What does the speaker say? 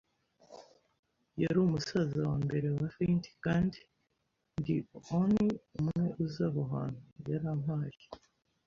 yari, umusaza wa mbere wa Flint, kandi ndi on'y umwe uzi aho hantu. Yarampaye